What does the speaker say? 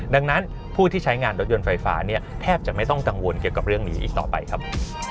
ดังนั้นผู้ที่ใช้งานรถยนต์ไฟฟ้าเนี่ยแทบจะไม่ต้องกังวลเกี่ยวกับเรื่องนี้อีกต่อไปครับ